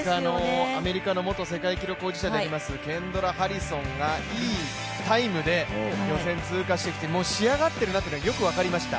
アメリカの元世界記録保持者のケンドラ・ハリソンがいいタイムで予選通過してきて、もう仕上がっているというのはよく分かりました。